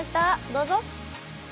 どうぞ！